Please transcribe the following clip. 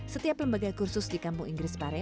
setiap lembaga kursus di kampung inggris pare